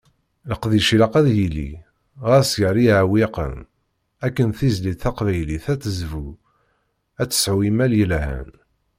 Leqdic ilaq ad yili, ɣas gar yiɛewwiqen. Akken tizlit taqbaylit ad tezbu, ad tesɛu imal yelhan.